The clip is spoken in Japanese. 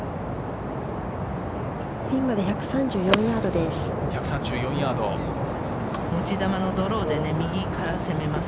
ピンまで１３４ヤードです。